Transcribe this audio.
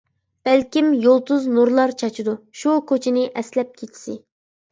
بەلكىم يۇلتۇز نۇرلار چاچىدۇ، شۇ كوچىنى ئەسلەپ كېچىسى.